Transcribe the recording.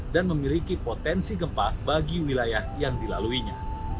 dan memiliki potensi gempa bagi wilayah yang dilaluinya